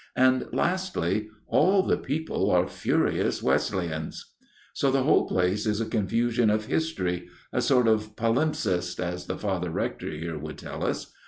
And lastly, all the people are furious Wesleyans. " So the whole place is a confusion of history, a sort of palimpsest, as the Father Rector here would tell us.